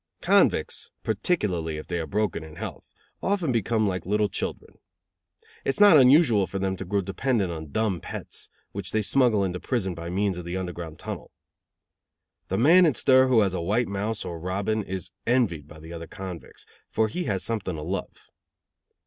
Convicts, particularly if they are broken in health, often become like little children. It is not unusual for them to grow dependent on dumb pets, which they smuggle into prison by means of the Underground Tunnel. The man in stir who has a white mouse or robin is envied by the other convicts, for he has something to love.